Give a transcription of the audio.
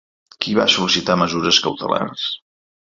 Qui va sol·licitar mesures cautelars?